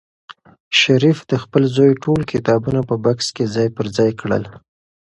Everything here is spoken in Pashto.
شریف د خپل زوی ټول کتابونه په بکس کې ځای پر ځای کړل.